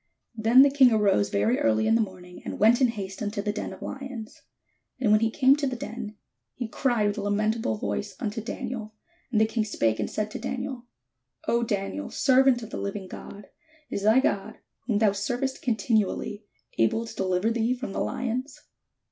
Then the king arose very early in the morning, and went in haste unto the den of lions. And when he came to the den, he cried with a lamentable voice unto Daniel: and the king spake and said to Daniel: "O Daniel, servant of the hving God, is thy God, whom thou servest continually, able to deliver thee from the lions?